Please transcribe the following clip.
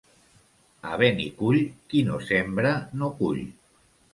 A Benicull qui no sembra no cull.